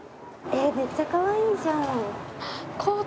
えっめっちゃかわいいじゃん。